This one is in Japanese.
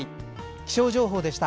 気象情報でした。